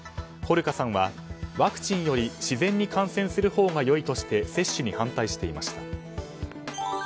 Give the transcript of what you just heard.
ホルカさんはワクチンより自然に感染するほうが良いとして接種に反対していました。